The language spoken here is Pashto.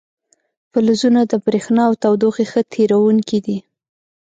فلزونه د برېښنا او تودوخې ښه تیروونکي دي.